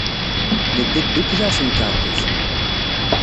Nedda ddukkli ɣer temkarḍit.